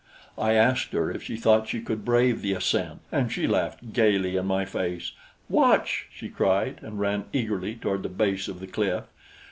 I asked her if she thought she could brave the ascent, and she laughed gayly in my face. "Watch!" she cried, and ran eagerly toward the base of the cliff.